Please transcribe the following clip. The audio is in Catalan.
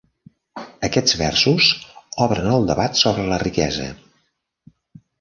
Aquests versos obren el debat sobre la riquesa.